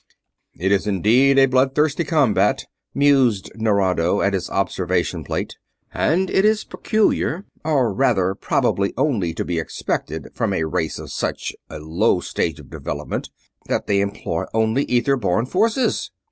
"It is indeed a bloodthirsty combat," mused Nerado at his observation plate. "And it is peculiar or rather, probably only to be expected from a race of such a low stage of development that they employ only ether borne forces.